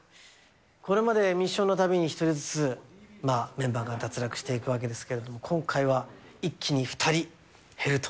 これまでミッションのたびに、１人ずつ、メンバーが脱落していくわけですけれども、今回は一気に２人減ると。